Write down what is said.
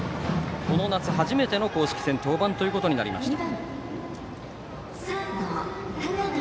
この夏、初めての公式戦登板となりました。